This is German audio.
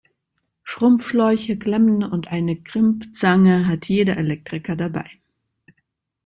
Schrumpfschläuche, Klemmen und eine Crimpzange hat jeder Elektriker dabei.